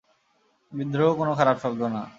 বিদ্রোহ কোনো খারাপ শব্দ না।